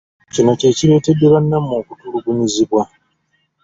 Kino kye kireetedde bannammwe okutulugunyizibwa.